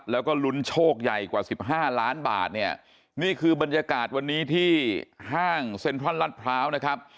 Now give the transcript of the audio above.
แล้วก็ลุ้นโชคใหญ่กว่าสิบห้าล้านบาทเนี่ยนี่คือบรรยากาศวันนี้ที่ห้างเซ็นทรัลลัดพร้าวนะครับ